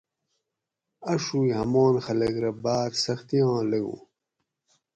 اۤڛوگ ہمان خلق رہ باۤر سختیاں لنگو